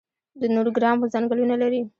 د نورګرام ځنګلونه لري